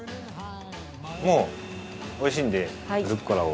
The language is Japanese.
もう美味しいんでルッコラを。